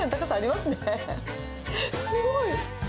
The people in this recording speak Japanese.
すごい！